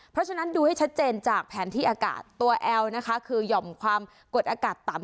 เพราะฉะนั้นดูให้ชัดเจนจากแผนที่อากาศตัวแอลนะคะคือหย่อมความกดอากาศต่ำ